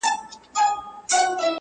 لمانځه ته نه ګوري څوک